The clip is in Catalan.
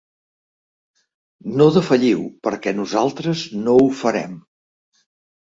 No defalliu perquè nosaltres no ho farem.